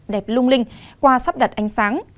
đẹp lung linh qua sắp đặt ánh sáng